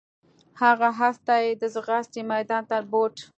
هغه اس ته د ځغاستې میدان ته بوت.